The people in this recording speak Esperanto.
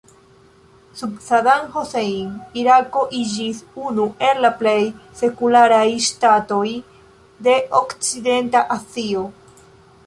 Sub Saddam Hussein Irako iĝis unu el la plej sekularaj ŝtatoj de okcidenta Azio.